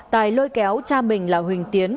tài lôi kéo cha mình là huỳnh tiến